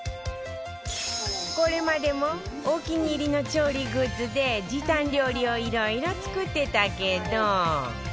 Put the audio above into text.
これまでもお気に入りの調理グッズで時短料理をいろいろ作ってたけど